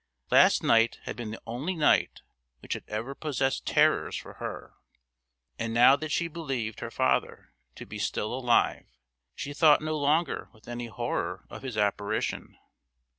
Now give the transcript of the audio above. Last night had been the only night which had ever possessed terrors for her, and now that she believed her father to be still alive she thought no longer with any horror of his apparition.